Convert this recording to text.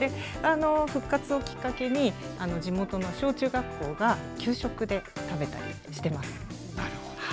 復活をきっかけに、地元の小中学校が給食で食べたりしてます。